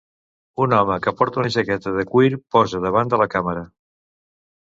Un home que porta una jaqueta de cuir posa davant de la càmera.